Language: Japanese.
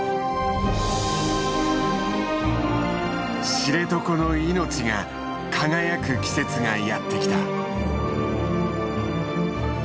知床の命が輝く季節がやってきた。